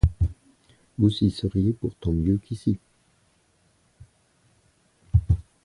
Vous y seriez pourtant mieux qu'ici.